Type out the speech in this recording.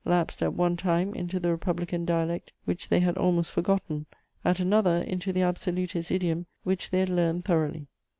lapsed at one time into the Republican dialect which they had almost forgotten, at another into the Absolutist idiom which they had learned thoroughly.